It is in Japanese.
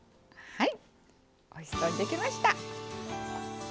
はい。